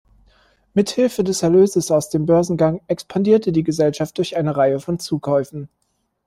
Mithilfe des Erlöses aus dem Börsengang expandierte die Gesellschaft durch eine Reihe von Zukäufen.